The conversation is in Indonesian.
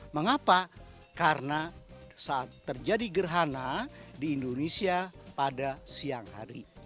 mengapa karena saat terjadi gerhana di indonesia pada siang hari